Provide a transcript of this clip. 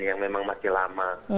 yang memang masih lama